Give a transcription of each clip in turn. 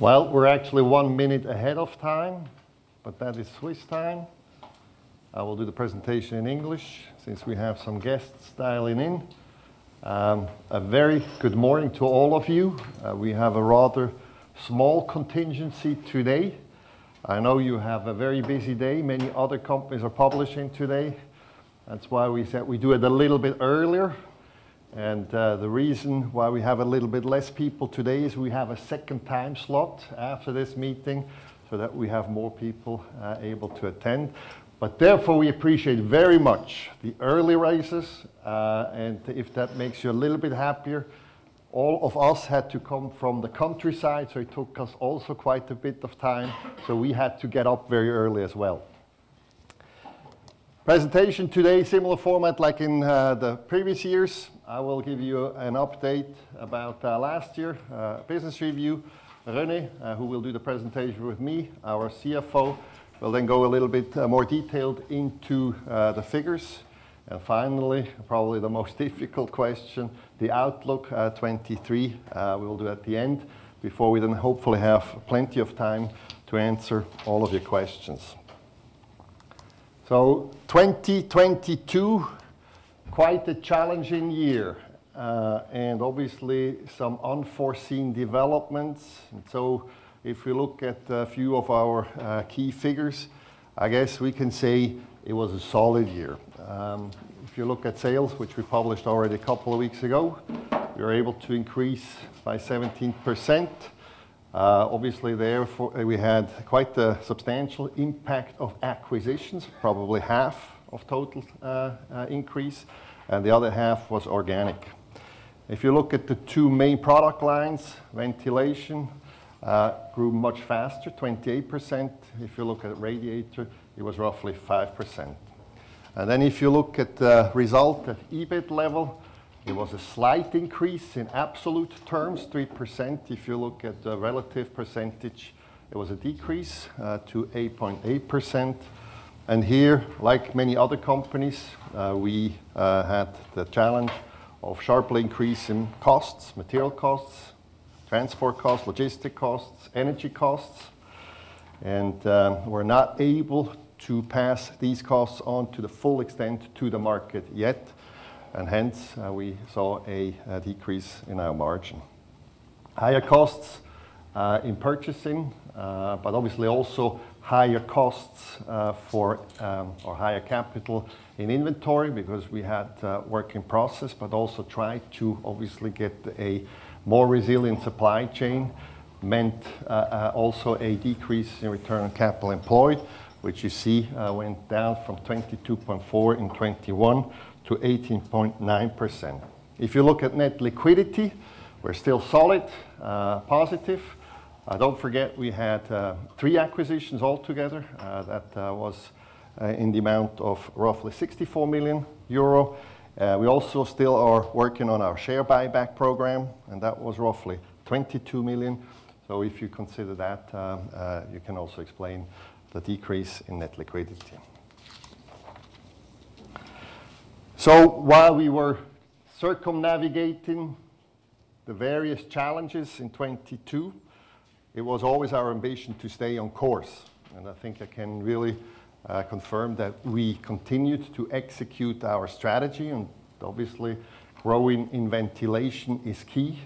Well, we're actually one minute ahead of time, that is Swiss time. I will do the presentation in English since we have some guests dialing in. A very good morning to all of you. We have a rather small contingency today. I know you have a very busy day. Many other companies are publishing today. That's why we said we do it a little bit earlier. The reason why we have a little bit less people today is we have a second time slot after this meeting so that we have more people able to attend. Therefore, we appreciate very much the early risers, and if that makes you a little bit happier, all of us had to come from the countryside, so it took us also quite a bit of time, so we had to get up very early as well. Presentation today, similar format like in, the previous years. I will give you an update about, last year, business review. René, who will do the presentation with me, our CFO, will then go a little bit, more detailed into, the figures. Finally, probably the most difficult question, the outlook, 2023, we will do at the end before we then hopefully have plenty of time to answer all of your questions. 2022, quite a challenging year, and obviously some unforeseen developments. If we look at a few of our, key figures, I guess we can say it was a solid year. If you look at sales, which we published already a couple of weeks ago, we were able to increase by 17%. Obviously therefore, we had quite a substantial impact of acquisitions, probably half of total increase, and the other half was organic. If you look at the two main product lines, ventilation grew much faster, 28%. If you look at radiator, it was roughly 5%. If you look at the result at EBIT level, it was a slight increase. In absolute terms, 3%. If you look at the relative percentage, it was a decrease to 8.8%. Like many other companies, we had the challenge of sharply increase in costs, material costs, transport costs, logistic costs, energy costs. We're not able to pass these costs on to the full extent to the market yet. Hence, we saw a decrease in our margin. Higher costs in purchasing, but obviously also higher costs for or higher capital in inventory because we had work in process, but also tried to obviously get a more resilient supply chain, meant also a decrease in Return on Capital Employed, which you see went down from 22.4% in 2021 to 18.9%. If you look at net liquidity, we're still solid, positive. Don't forget we had three acquisitions all together, that was in the amount of roughly 64 million euro. We also still are working on our share buyback program, that was roughly 22 million. If you consider that, you can also explain the decrease in net liquidity. While we were circumnavigating the various challenges in 2022, it was always our ambition to stay on course. I think I can really confirm that we continued to execute our strategy, and obviously growing in ventilation is key.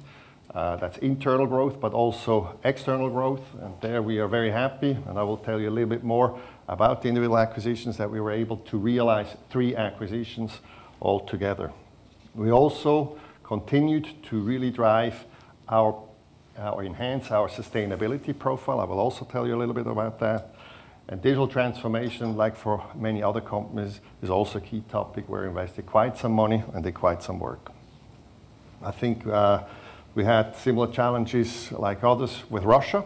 That's internal growth, but also external growth. There we are very happy, and I will tell you a little bit more about the individual acquisitions that we were able to realize, three acquisitions altogether. We also continued to really drive our or enhance our sustainability profile. I will also tell you a little bit about that. Digital transformation, like for many other companies, is also a key topic where we invested quite some money and did quite some work. I think we had similar challenges like others with Russia.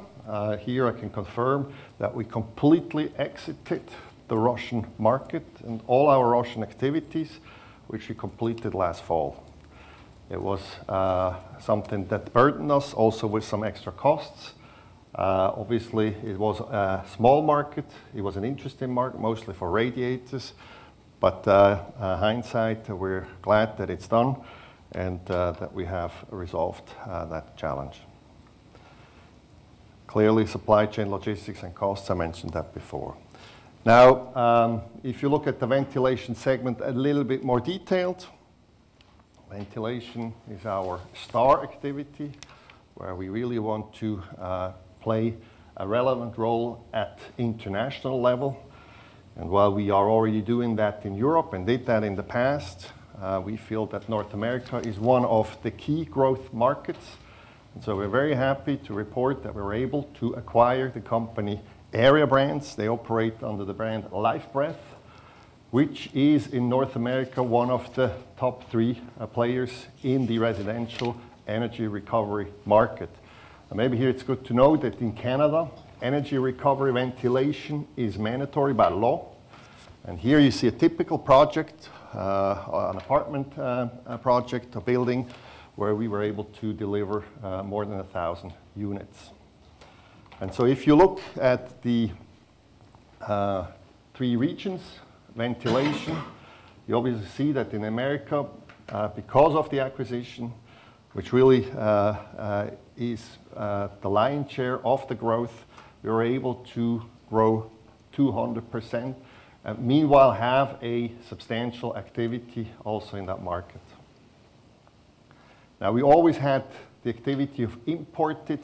Here I can confirm that we completely exited the Russian market and all our Russian activities, which we completed last fall. It was something that burdened us also with some extra costs. Obviously it was a small market. It was an interesting market, mostly for radiators, but hindsight, we're glad that it's done and that we have resolved that challenge. Clearly, supply chain logistics and costs, I mentioned that before. If you look at the ventilation segment a little bit more detailed, ventilation is our star activity, where we really want to play a relevant role at international level. While we are already doing that in Europe and did that in the past, we feel that North America is one of the key growth markets. We're very happy to report that we were able to acquire the company Airia Brands. They operate under the brand Lifebreath, which is in North America, one of the top three players in the residential energy recovery market. Maybe here it's good to know that in Canada, energy recovery ventilation is mandatory by law. Here you see a typical project, an apartment project, a building where we were able to deliver more than 1,000 units. If you look at the three regions. Ventilation. You obviously see that in America, because of the acquisition, which really is the lion share of the growth, we were able to grow 200%, meanwhile have a substantial activity also in that market. We always had the activity of imported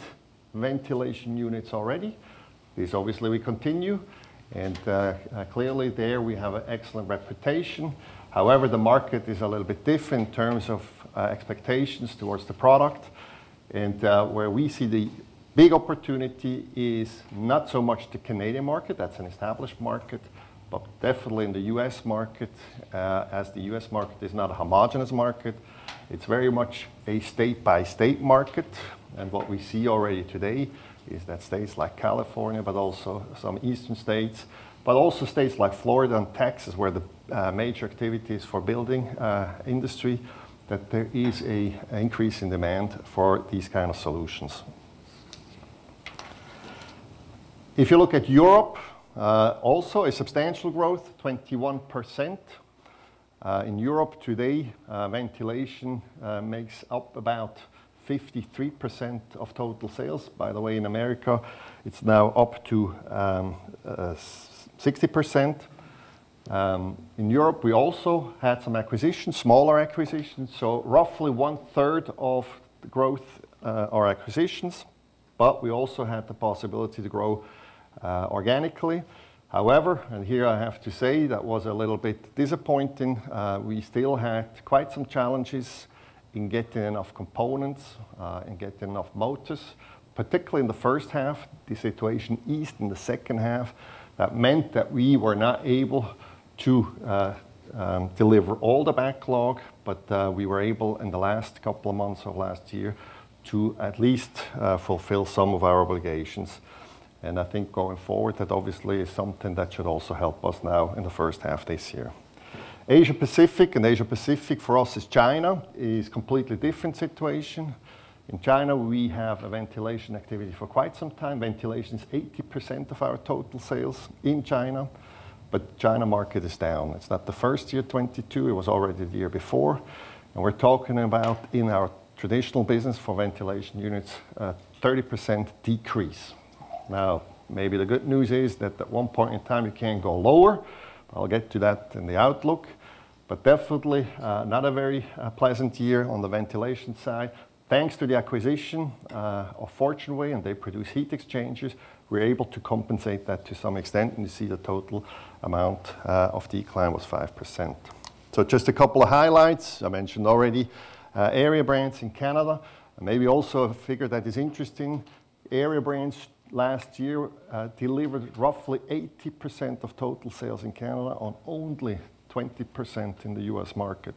ventilation units already. This obviously will continue, and clearly there we have an excellent reputation. The market is a little bit different in terms of expectations towards the product. Where we see the big opportunity is not so much the Canadian market, that's an established market, but definitely in the U.S. market, as the U.S. market is not a homogeneous market. It's very much a state-by-state market. What we see already today is that states like California, but also some Eastern states, but also states like Florida and Texas, where the major activity is for building industry, that there is an increase in demand for these kind of solutions. If you look at Europe, also a substantial growth, 21%. In Europe today, ventilation makes up about 53% of total sales. By the way, in America, it's now up to 60%. In Europe, we also had some acquisitions, smaller acquisitions, so roughly 1/3 of the growth are acquisitions, but we also had the possibility to grow organically. However, here I have to say that was a little bit disappointing, we still had quite some challenges in getting enough components, in getting enough motors, particularly in the first half. The situation eased in the second half. That meant that we were not able to deliver all the backlog, but we were able in the last couple of months of last year to at least fulfill some of our obligations. I think going forward, that obviously is something that should also help us now in the first half this year. Asia-Pacific, Asia-Pacific for us is China, is completely different situation. In China, we have a ventilation activity for quite some time. Ventilation is 80% of our total sales in China, but China market is down. It's not the first year, 2022, it was already the year before. We're talking about, in our traditional business for ventilation units, a 30% decrease. Now, maybe the good news is that at one point in time, it can't go lower. I'll get to that in the outlook. Definitely, not a very pleasant year on the ventilation side. Thanks to the acquisition of Fortuneway, and they produce heat exchangers, we're able to compensate that to some extent. You see the total amount of decline was 5%. Just a couple of highlights I mentioned already. Airia Brands in Canada, maybe also a figure that is interesting. Airia Brands last year delivered roughly 80% of total sales in Canada on only 20% in the U.S. market.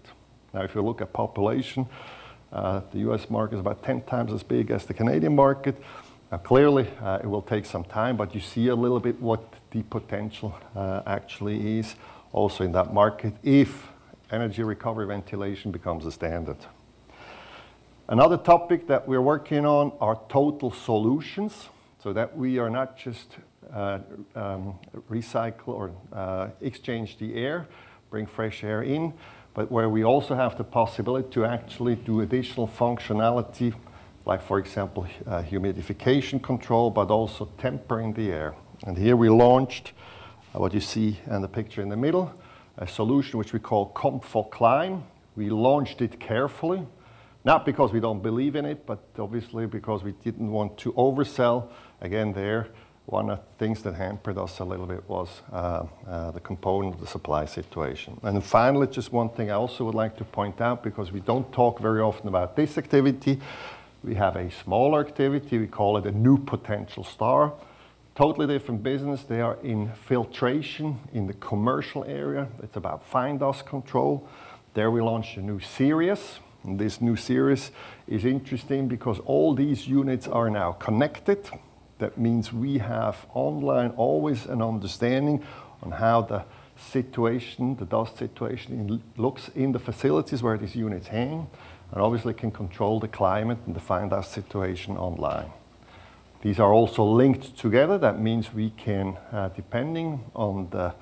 If you look at population, the U.S. market is about 10 times as big as the Canadian market. Clearly, it will take some time, but you see a little bit what the potential actually is also in that market if energy recovery ventilation becomes a standard. Another topic that we're working on are total solutions, so that we are not just recycle or exchange the air, bring fresh air in, but where we also have the possibility to actually do additional functionality, like for example, humidification control, but also tempering the air. Here we launched, what you see in the picture in the middle, a solution which we call ComfoClime. We launched it carefully, not because we don't believe in it, but obviously because we didn't want to oversell. Again, there, one of things that hampered us a little bit was, the component, the supply situation. Finally, just one thing I also would like to point out because we don't talk very often about this activity. We have a small activity. We call it a new potential star. Totally different business. They are in filtration in the commercial area. It's about fine dust control. There we launched a new series, and this new series is interesting because all these units are now connected. That means we have online always an understanding on how the situation, the dust situation looks in the facilities where these units hang, and obviously can control the climate and the fine dust situation online. These are also linked together. That means we can, depending on the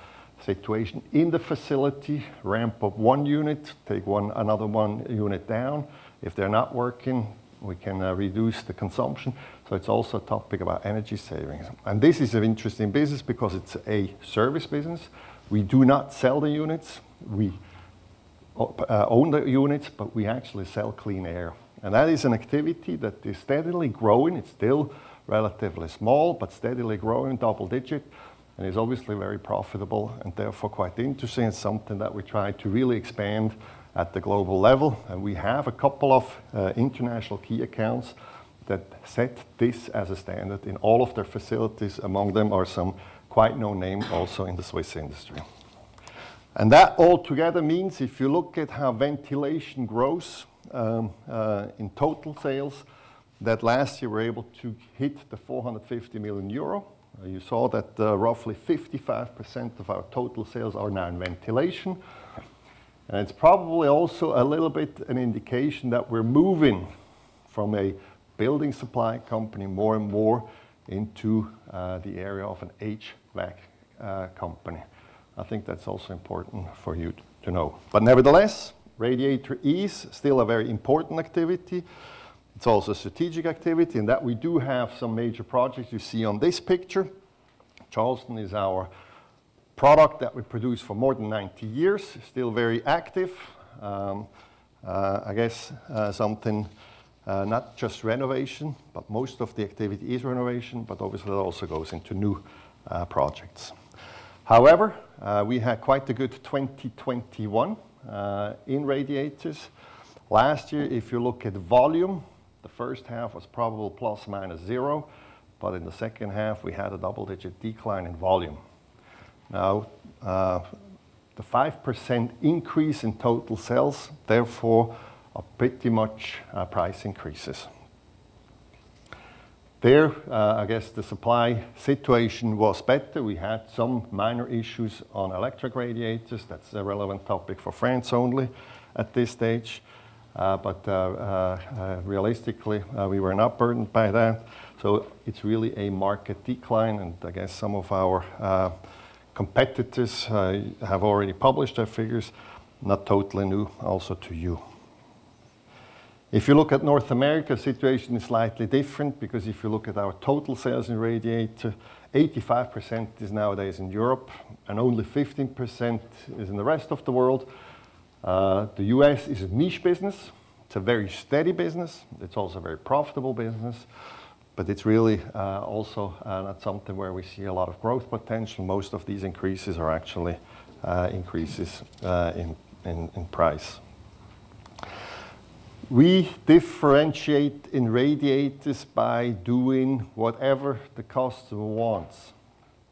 situation in the facility, ramp up 1 unit, take another unit down. If they're not working, we can reduce the consumption. It's also a topic about energy savings. This is an interesting business because it's a service business. We do not sell the units. We own the units, but we actually sell clean air. That is an activity that is steadily growing. It's still relatively small, but steadily growing, double-digit, and is obviously very profitable and therefore quite interesting and something that we try to really expand at the global level. We have a couple of international key accounts that set this as a standard in all of their facilities. Among them are some quite known names also in the Swiss industry. That all together means if you look at how ventilation grows, in total sales, that last year we were able to hit the 450 million euro. You saw that, roughly 55% of our total sales are now in ventilation. It's probably also a little bit an indication that we're moving from a building supply company more and more into the area of an HVAC company. I think that's also important for you to know. Nevertheless, radiator is still a very important activity. It's also a strategic activity in that we do have some major projects you see on this picture. Charleston is our product that we produce for more than 90 years, still very active. I guess something not just renovation, but most of the activity is renovation, but obviously that also goes into new projects. We had quite a good 2021 in radiators. Last year, if you look at volume, the first half was probable plus minus zero, but in the second half, we had a double-digit decline in volume. The 5% increase in total sales, therefore, are pretty much price increases. There, I guess the supply situation was better. We had some minor issues on electric radiators. That's a relevant topic for France only at this stage. But realistically, we were not burdened by that. It's really a market decline, and I guess some of our competitors have already published their figures, not totally new also to you. If you look at North America, situation is slightly different because if you look at our total sales in radiator, 85% is nowadays in Europe, and only 15% is in the rest of the world. The U.S. is a niche business. It's a very steady business. It's also a very profitable business. It's really, also, not something where we see a lot of growth potential. Most of these increases are actually, increases, in price. We differentiate in radiators by doing whatever the customer wants.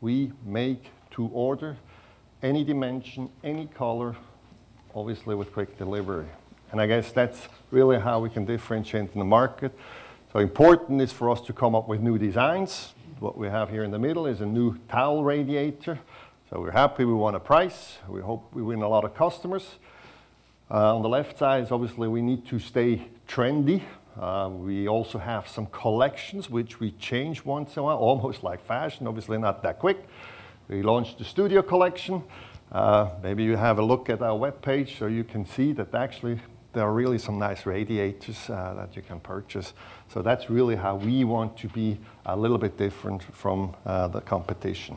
We make to order any dimension, any color, obviously with quick delivery. I guess that's really how we can differentiate in the market. Important is for us to come up with new designs. What we have here in the middle is a new towel radiator. We're happy we won a price. We hope we win a lot of customers. On the left side, obviously, we need to stay trendy. We also have some collections which we change once in a while, almost like fashion, obviously not that quick. We launched the Studio Collection. Maybe you have a look at our webpage, so you can see that actually there are really some nice radiators that you can purchase. That's really how we want to be a little bit different from the competition.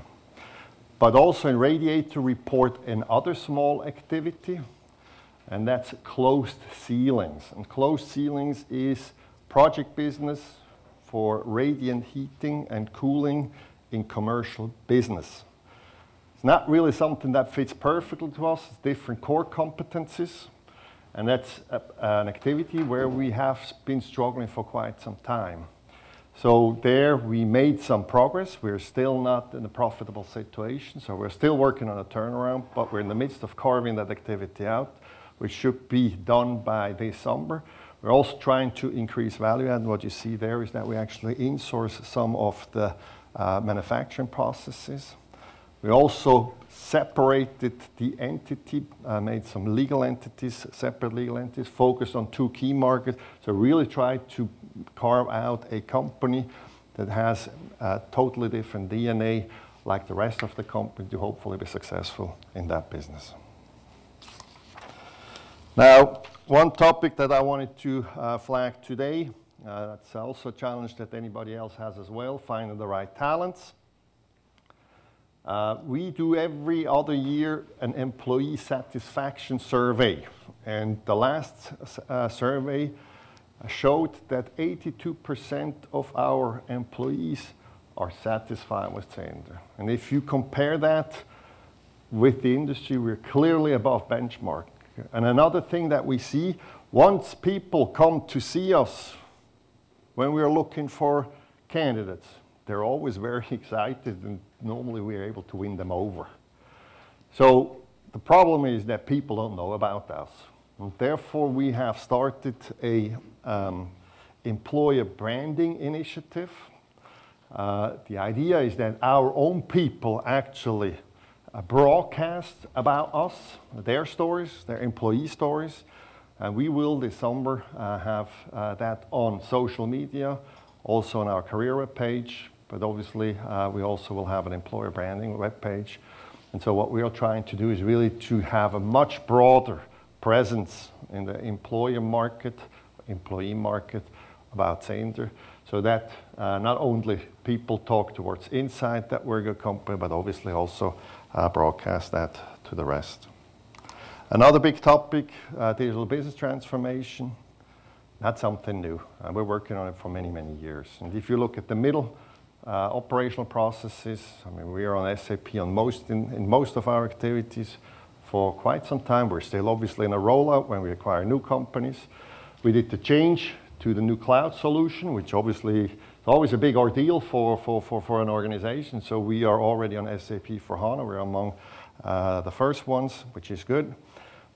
Also in radiator report, another small activity, and that's closed ceilings. closed ceilings is project business for radiant heating and cooling in commercial business. It's not really something that fits perfectly to us. It's different core competencies, and that's an activity where we have been struggling for quite some time. There we made some progress. We're still not in a profitable situation, so we're still working on a turnaround, but we're in the midst of carving that activity out, which should be done by December. We're also trying to increase value. What you see there is that we actually insource some of the manufacturing processes. We also separated the entity, made some legal entities, separate legal entities, focused on two key markets to really try to carve out a company that has a totally different DNA, like the rest of the company, to hopefully be successful in that business. Now, one topic that I wanted to flag today, that's also a challenge that anybody else has as well, finding the right talents. We do every other year an employee satisfaction survey, and the last survey showed that 82% of our employees are satisfied with Zehnder. If you compare that with the industry, we're clearly above benchmark. Another thing that we see, once people come to see us when we are looking for candidates, they're always very excited, and normally we are able to win them over. The problem is that people don't know about us. Therefore, we have started a employer branding initiative. The idea is that our own people actually broadcast about us, their stories, their employee stories. We will this summer, have that on social media, also on our career webpage. Obviously, we also will have an employer branding webpage. What we are trying to do is really to have a much broader presence in the employer market, employee market about Zehnder, so that not only people talk towards inside that we're a good company, but obviously also broadcast that to the rest. Another big topic, digital business transformation, not something new. We're working on it for many, many years. If you look at the middle, operational processes, I mean, we are on SAP on most in most of our activities for quite some time. We're still obviously in a rollout when we acquire new companies. We did the change to the new cloud solution, which obviously is always a big ordeal for an organization. We are already on SAP for HANA. We're among the first ones, which is good.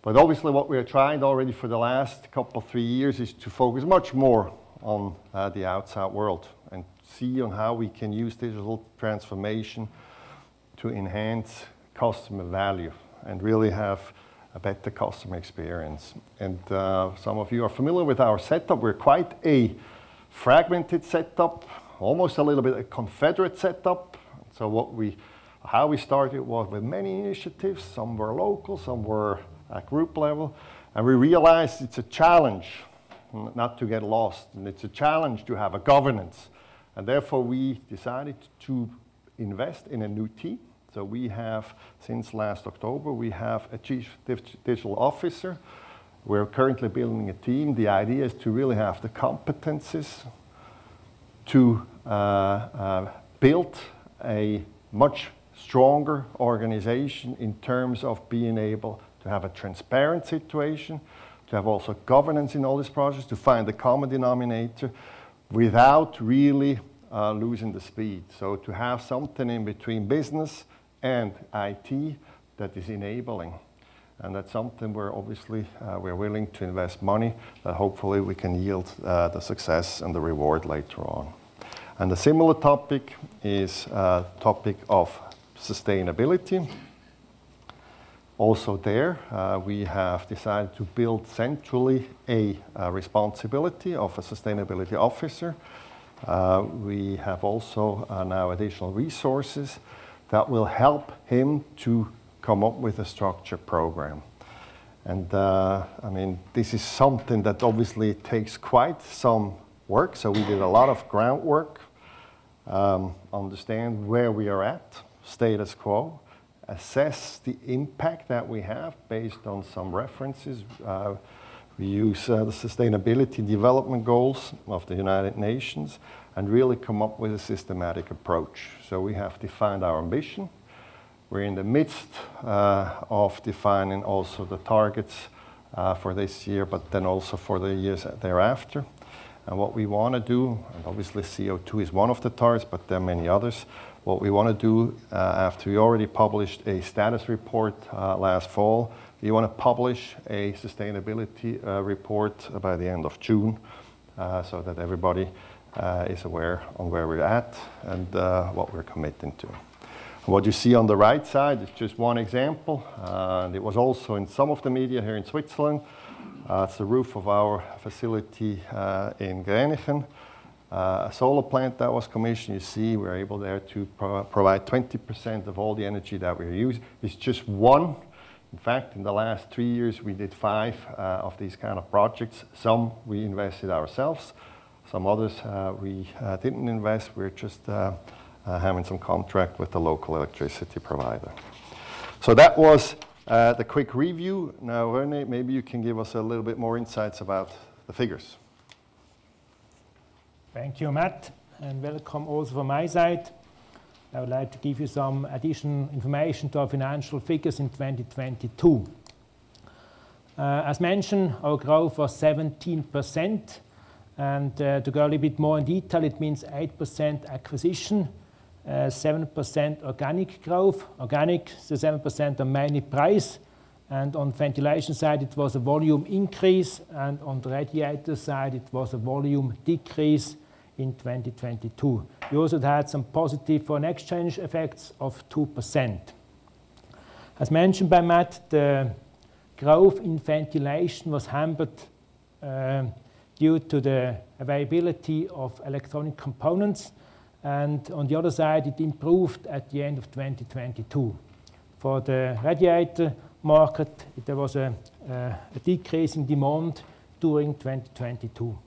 Obviously, what we are trying already for the last couple, three years is to focus much more on the outside world and see on how we can use digital transformation to enhance customer value and really have a better customer experience. Some of you are familiar with our setup. We're quite a fragmented setup, almost a little bit a confederate setup. How we started was with many initiatives. Some were local, some were at group level. We realized it's a challenge not to get lost, and it's a challenge to have a governance. Therefore, we decided to invest in a new team. We have, since last October, we have a Chief Digital Officer. We're currently building a team. The idea is to really have the competences to build a much stronger organization in terms of being able to have a transparent situation, to have also governance in all these projects, to find the common denominator without really losing the speed. To have something in between business and IT that is enabling, and that's something we're obviously we're willing to invest money, that hopefully we can yield the success and the reward later on. A similar topic is topic of sustainability. Also there, we have decided to build centrally a responsibility of a sustainability officer. We have also now additional resources that will help him to come up with a structure program. I mean, this is something that obviously takes quite some work, so we did a lot of groundwork, understand where we are at, status quo, assess the impact that we have based on some references. We use the Sustainable Development Goals of the United Nations and really come up with a systematic approach. We have defined our ambition. We're in the midst of defining also the targets for this year, but then also for the years thereafter. What we wanna do, and obviously CO2 is one of the targets, but there are many others. What we wanna do, after we already published a status report last fall, we wanna publish a sustainability report by the end of June, so that everybody is aware of where we're at and what we're committing to. What you see on the right side is just one example. It was also in some of the media here in Switzerland. It's the roof of our facility in Gränichen. A solar plant that was commissioned. You see we're able there to provide 20% of all the energy that we use. It's just one. In fact, in the last three years, we did five of these kind of projects. Some we invested ourselves, some others we didn't invest. We're just having some contract with the local electricity provider. That was the quick review. René, maybe you can give us a little bit more insights about the figures. Thank you, Matt. Welcome also from my side. I would like to give you some additional information to our financial figures in 2022. As mentioned, our growth was 17%, and to go a little bit more in detail, it means 8% acquisition, 7% organic growth. Organic, so 7% are mainly price, and on ventilation side, it was a volume increase, and on the radiator side, it was a volume decrease in 2022. We also had some positive foreign exchange effects of 2%. As mentioned by Matt, the growth in ventilation was hampered due to the availability of electronic components, and on the other side, it improved at the end of 2022. For the radiator market, there was a decrease in demand during 2022.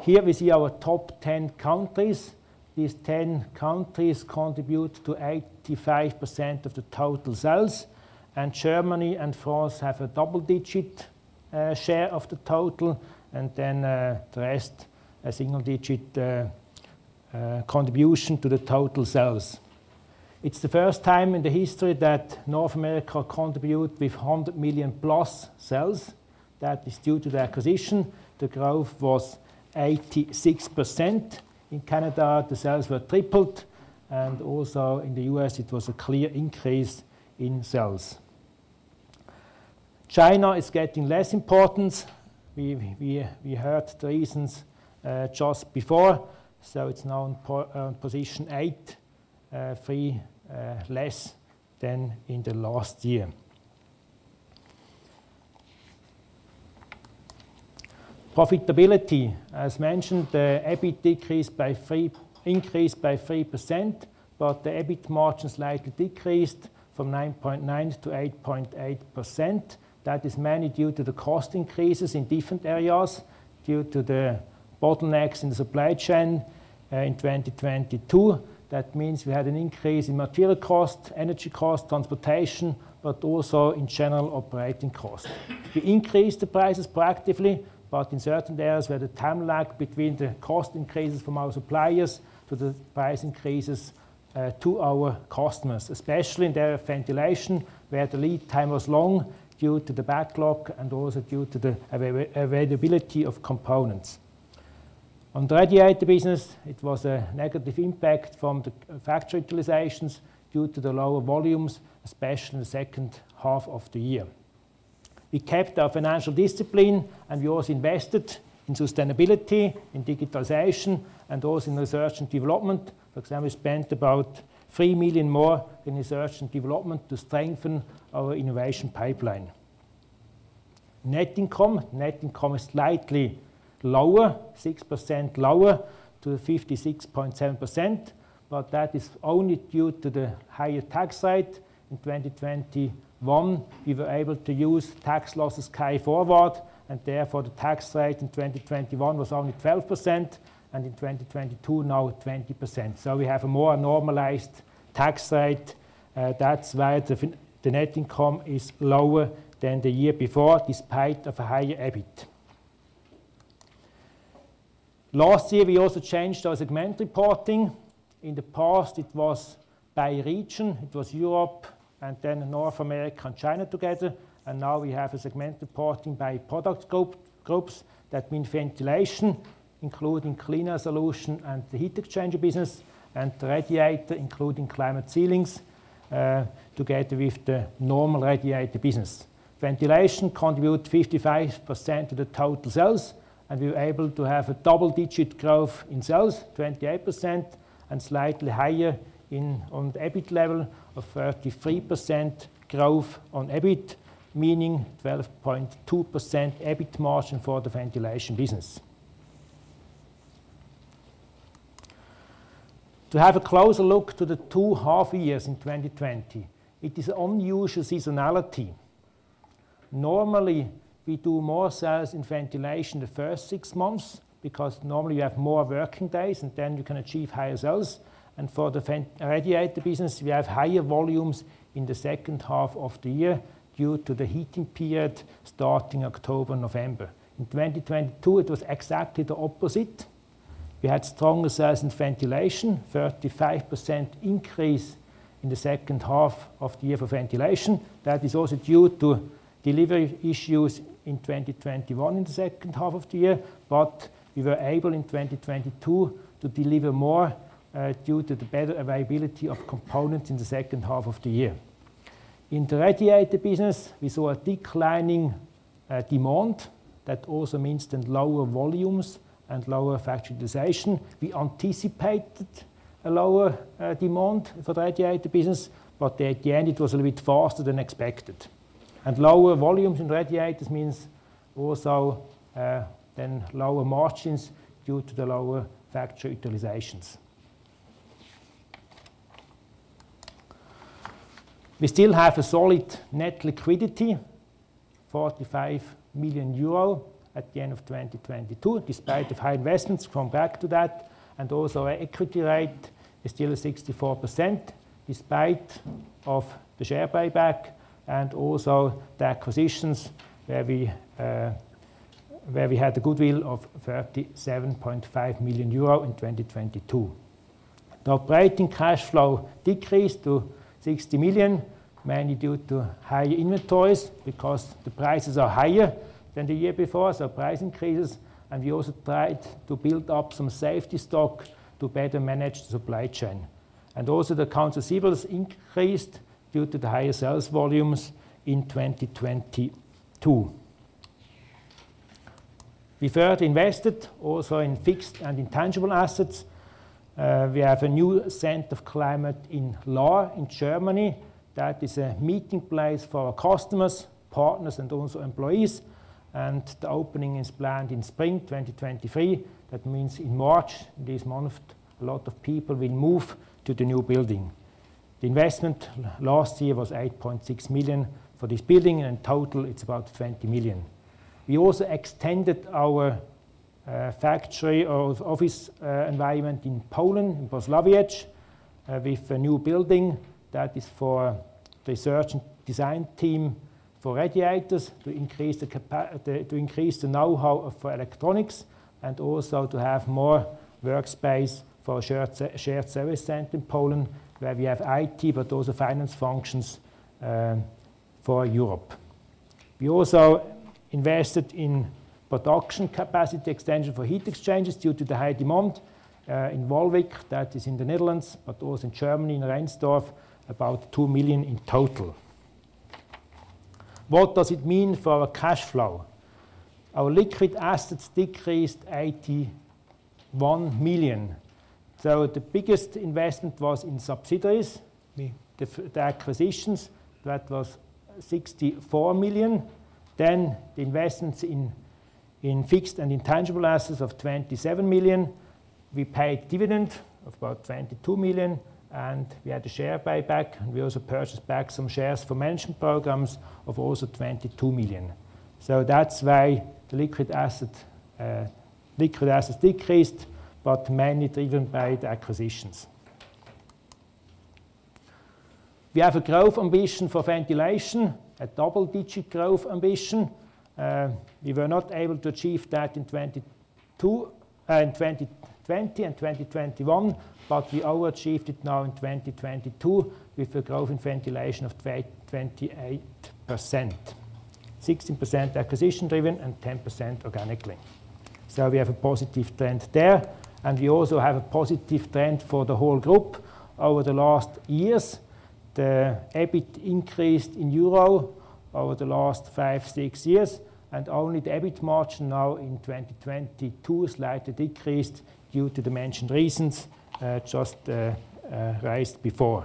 Here we see our top 10 countries. These 10 countries contribute to 85% of the total sales, Germany and France have a double-digit share of the total, then the rest, a single-digit contribution to the total sales. It's the first time in the history that North America contribute with 100 million+ sales. That is due to the acquisition. The growth was 86%. In Canada, the sales were tripled, also in the US, it was a clear increase in sales. China is getting less important. We heard the reasons just before, so it's now in position 8, 3 less than in the last year. Profitability. As mentioned, the EBIT increased by 3%. The EBIT margin slightly decreased from 9.9% to 8.8%. That is mainly due to the cost increases in different areas due to the bottlenecks in the supply chain, in 2022. We had an increase in material cost, energy cost, transportation, but also in general operating costs. We increased the prices proactively, but in certain areas, we had a time lag between the cost increases from our suppliers to the price increases, to our customers, especially in the area of ventilation, where the lead time was long due to the backlog and also due to the availability of components. On the radiator business, it was a negative impact from the factory utilizations due to the lower volumes, especially in the second half of the year. We kept our financial discipline, and we also invested in sustainability, in digitization, and also in research and development. For example, we spent about 3 million more in research and development to strengthen our innovation pipeline. Net income is slightly lower, 6% lower to the 56.7%, that is only due to the higher tax rate. In 2021, we were able to use tax loss carryforward, therefore the tax rate in 2021 was only 12%, in 2022 now 20%. We have a more normalized tax rate. That's why the net income is lower than the year before, despite of a higher EBIT. Last year, we also changed our segment reporting. In the past, it was by region. It was Europe and then North America and China together. Now we have a segment reporting by product group, groups. That means ventilation, including cleaner solution and the heat exchanger business, and radiator, including climate ceilings, together with the normal radiator business. Ventilation contribute 55% of the total sales. We were able to have a double-digit growth in sales, 28%, and slightly higher on the EBIT level of 33% growth on EBIT, meaning 12.2% EBIT margin for the ventilation business. To have a closer look to the two half years in 2020, it is unusual seasonality. Normally, we do more sales in ventilation the first six months because normally you have more working days. Then you can achieve higher sales. For the radiator business, we have higher volumes in the second half of the year due to the heating period starting October, November. In 2022, it was exactly the opposite. We had stronger sales in ventilation, 35% increase in the second half of the year for ventilation. That is also due to delivery issues in 2021 in the second half of the year. We were able, in 2022, to deliver more due to the better availability of components in the second half of the year. In the radiator business, we saw a declining demand. That also means then lower volumes and lower factory utilization. We anticipated a lower demand for the radiator business, but at the end it was a little bit faster than expected. Lower volumes in radiators means also then lower margins due to the lower factory utilizations. We still have a solid net liquidity, 45 million euro at the end of 2022, despite of high investments. Come back to that. Also our equity ratio is still 64%, despite of the share buyback and also the acquisitions where we had a goodwill of 37.5 million euro in 2022. The operating cash flow decreased to 60 million, mainly due to higher inventories because the prices are higher than the year before, so price increases. We also tried to build up some safety stock to better manage the supply chain. Also the accounts receivables increased due to the higher sales volumes in 2022. We further invested also in fixed and intangible assets. We have a new Center of Climate in Lahr in Germany. That is a meeting place for our customers, partners, and also employees. The opening is planned in spring 2023. That means in March, this month, a lot of people will move to the new building. The investment last year was 8.6 million for this building. In total it's about 20 million. We also extended our factory of office environment in Poland, in Włocławek, with a new building that is for research and design team for radiators to increase the know-how for electronics and also to have more workspace for a shared service center in Poland, where we have IT, but also finance functions for Europe. We also invested in production capacity extension for heat exchangers due to the high demand in Wolvega, that is in the Netherlands, but also in Germany, in Reinsdorf, about 2 million in total. What does it mean for our cash flow? Our liquid assets decreased 81 million. The biggest investment was in subsidiaries. The acquisitions, that was 64 million. The investments in fixed and intangible assets of 27 million. We paid dividend of about 22 million, and we had a share buyback, and we also purchased back some shares for management programs of also 22 million. That's why the liquid asset, liquid assets decreased, but mainly driven by the acquisitions. We have a growth ambition for ventilation, a double-digit growth ambition. We were not able to achieve that in 2022, in 2020 and 2021, but we overachieved it now in 2022 with a growth in ventilation of 28%. 16% acquisition-driven and 10% organically. We have a positive trend there, and we also have a positive trend for the whole group. Over the last years, the EBIT increased in euro over the last five, six years, and only the EBIT margin now in 2022 slightly decreased due to the mentioned reasons, just raised before.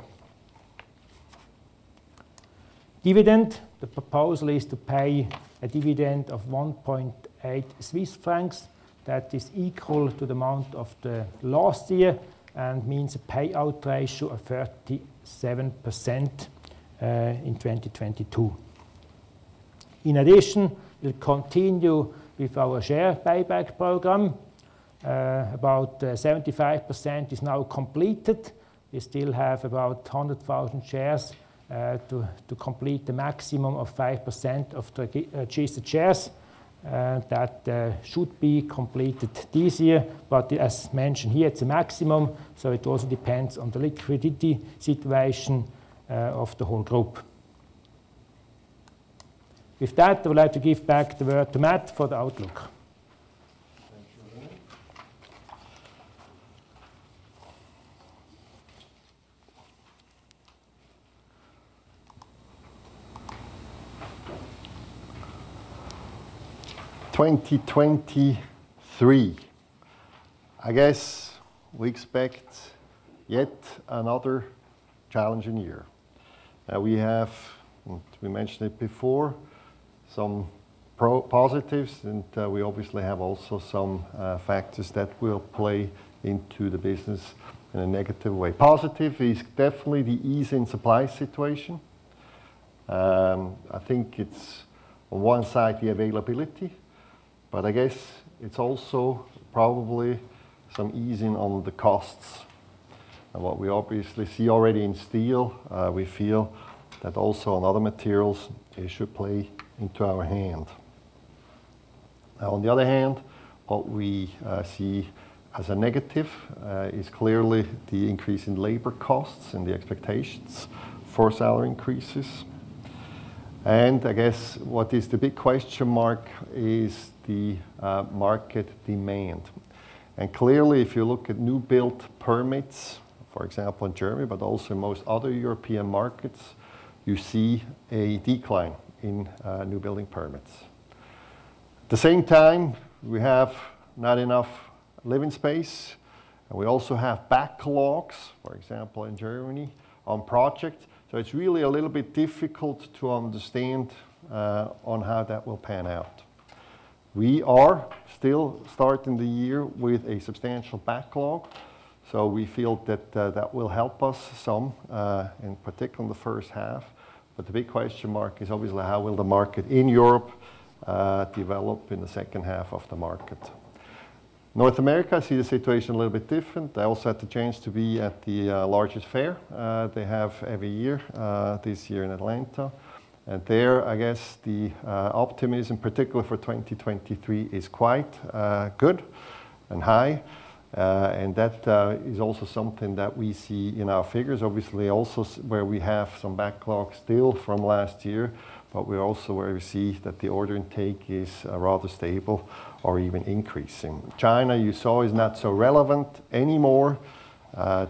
Dividend, the proposal is to pay a dividend of 1.8 Swiss francs. That is equal to the amount of the last year and means a payout ratio of 37% in 2022. In addition, we'll continue with our share buyback program. About 75% is now completed. We still have about 100,000 shares to complete the maximum of 5% of the uncertain that should be completed this year. As mentioned here, it's a maximum, so it also depends on the liquidity situation of the whole group. With that, I would like to give back the word to Matt for the outlook. Thank you, René. 2023. I guess we expect yet another challenging year. We have, we mentioned it before, some pro-positives, we obviously have also some factors that will play into the business in a negative way. Positive is definitely the ease in supply situation. I think it's on one side the availability, but I guess it's also probably some easing on the costs. What we obviously see already in steel, we feel that also in other materials it should play into our hand. On the other hand, what we see as a negative, is clearly the increase in labor costs and the expectations for salary increases. I guess what is the big question mark is the market demand. Clearly, if you look at new build permits, for example, in Germany, but also in most other European markets, you see a decline in new building permits. At the same time, we have not enough living space, and we also have backlogs, for example, in Germany, on projects. It's really a little bit difficult to understand on how that will pan out. We are still starting the year with a substantial backlog, so we feel that that will help us some in particular in the first half. The big question mark is obviously how will the market in Europe develop in the second half of the market. North America see the situation a little bit different. I also had the chance to be at the largest fair they have every year this year in Atlanta. There, I guess the optimism, particularly for 2023, is quite good and high. That is also something that we see in our figures, obviously also where we have some backlog still from last year. We also where we see that the order intake is rather stable or even increasing. China, you saw, is not so relevant anymore.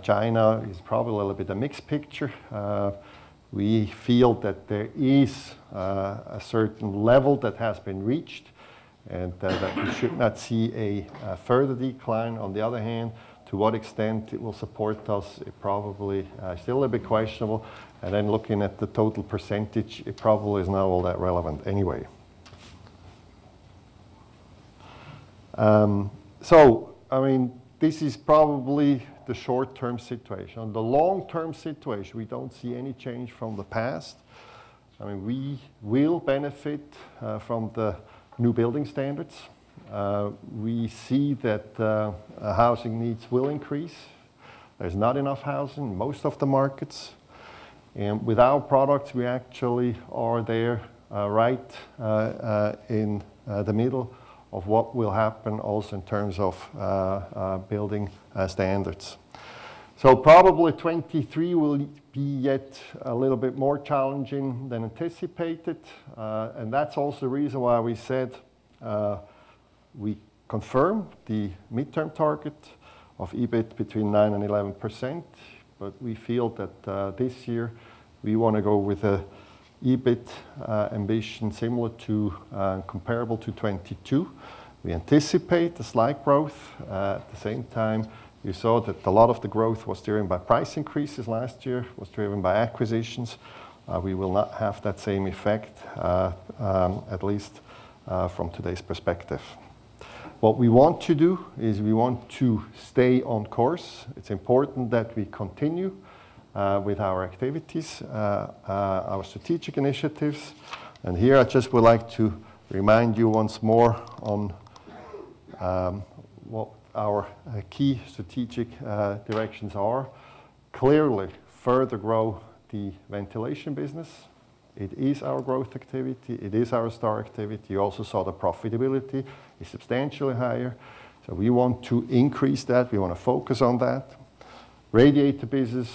China is probably a little bit a mixed picture. We feel that there is a certain level that has been reached and that we should not see a further decline. On the other hand, to what extent it will support us, it probably still a bit questionable. Looking at the total percentage, it probably is not all that relevant anyway. I mean, this is probably the short-term situation. The long-term situation, we don't see any change from the past. I mean, we will benefit from the new building standards. We see that housing needs will increase. There's not enough housing in most of the markets. With our products, we actually are there right in the middle of what will happen also in terms of building standards. Probably 2023 will be yet a little bit more challenging than anticipated. That's also the reason why we said we confirm the midterm target of EBIT between 9% and 11%. We feel that this year we wanna go with a EBIT ambition similar to comparable to 2022. We anticipate a slight growth. At the same time, we saw that a lot of the growth was driven by price increases last year, was driven by acquisitions. We will not have that same effect, at least, from today's perspective. What we want to do is we want to stay on course. It's important that we continue with our activities, our strategic initiatives. Here I just would like to remind you once more on what our key strategic directions are. Clearly, further grow the ventilation business. It is our growth activity. It is our star activity. You also saw the profitability is substantially higher. We want to increase that. We want to focus on that. Radiator business,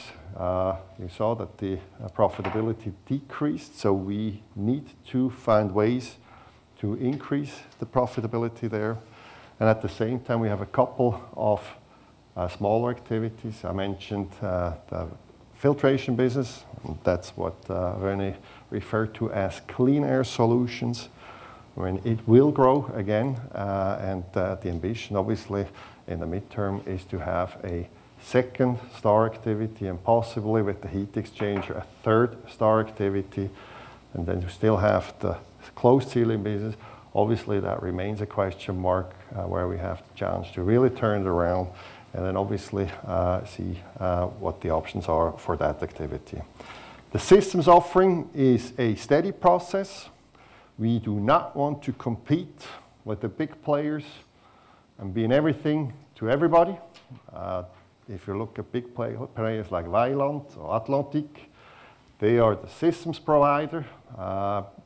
you saw that the profitability decreased, so we need to find ways to increase the profitability there. At the same time, we have a couple of smaller activities. I mentioned the filtration business. That's what René referred to as Clean Air Solutions, when it will grow again. The ambition obviously in the midterm is to have a second star activity and possibly with the heat exchanger, a third star activity. Then you still have the closed ceiling business. Obviously, that remains a question mark, where we have the challenge to really turn it around and then obviously, see what the options are for that activity. The systems offering is a steady process. We do not want to compete with the big players and been everything to everybody like Vaillant or Atlantic, they are the systems provider.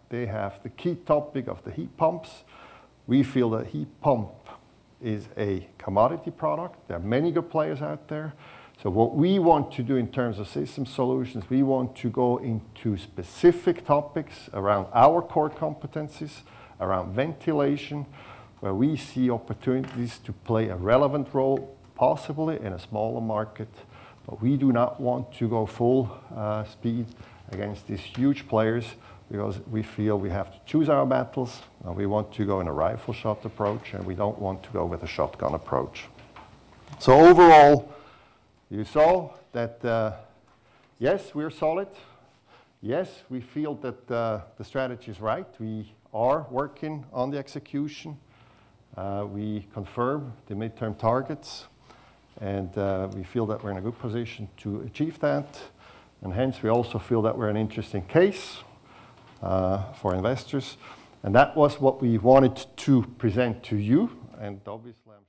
They have the key topic of the heat pumps. We feel the heat pump is a commodity product. There are many good players out there. What we want to do in terms of system solutions, we want to go into specific topics around our core competencies, around ventilation, where we see opportunities to play a relevant role, possibly in a smaller market. We do not want to go full speed against these huge players because we feel we have to choose our battles, and we want to go in a rifle shot approach, and we don't want to go with a shotgun approach. Overall, you saw that, yes, we are solid. Yes, we feel that the strategy is right. We are working on the execution. We confirm the midterm targets, and we feel that we're in a good position to achieve that. Hence, we also feel that we're an interesting case, for investors. That was what we wanted to present to you. Obviously, I'm sure you have.